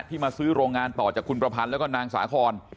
มาซื้อโรงงานต่อจากคุณประพันธ์แล้วก็นางสาคอน